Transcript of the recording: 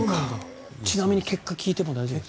ちなみに結果聞いても大丈夫ですか？